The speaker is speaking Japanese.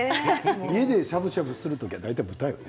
家でしゃぶしゃぶする時は大体豚肉よね。